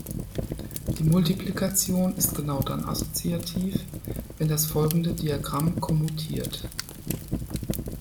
Die Multiplikation ist genau dann assoziativ, wenn das folgende Diagramm kommutiert.